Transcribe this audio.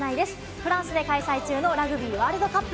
フランスで開催中のラグビーワールドカップ。